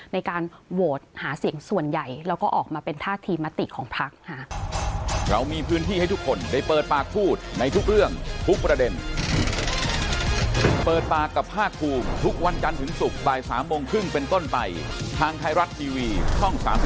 ในการโหวตหาเสียงส่วนใหญ่แล้วก็ออกมาเป็นท่าทีมติของพักค่ะ